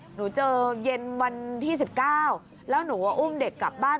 หนูเจอเย็นวันที่๑๙แล้วหนูก็อุ้มเด็กกลับบ้าน